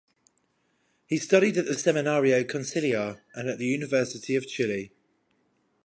He studied at the Seminario Conciliar and at the University of Chile.